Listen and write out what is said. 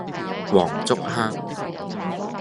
黃竹坑